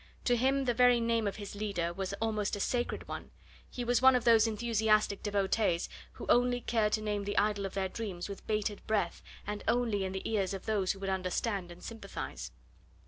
To him the very name of his leader was almost a sacred one; he was one of those enthusiastic devotees who only care to name the idol of their dreams with bated breath, and only in the ears of those who would understand and sympathise.